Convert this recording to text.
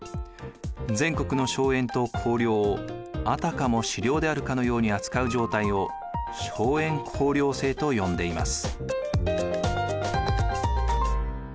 全国の荘園と公領をあたかも私領であるかのように扱う状態を荘園公領制と呼んでいます。